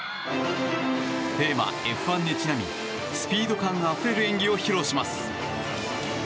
テーマ、Ｆ１にちなみスピード感あふれる演技を披露します。